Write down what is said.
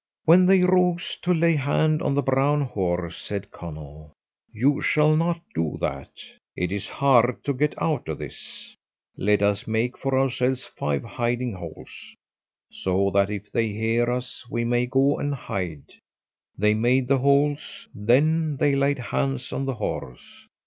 When they rose to lay hand on the brown horse, said Conall, "You shall not do that. It is hard to get out of this; let us make for ourselves five hiding holes, so that if they hear us we may go and hide." They made the holes, then they laid hands on the horse.